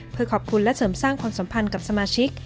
เพื่อขอบคุณและเสริมสร้างความสัมพันธ์กับสมาชิก